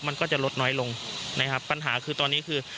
มันก็จะลดน้อยลงนะครับปัญหาคือตอนนี้คือ